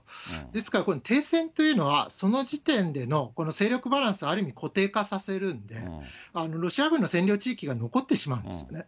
ですから、停戦というのは、その時点での勢力バランスを、ある意味固定化させるんで、ロシア軍の占領地域が残ってしまうんですね。